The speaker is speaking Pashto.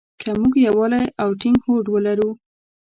که مونږ يووالی او ټينګ هوډ ولرو.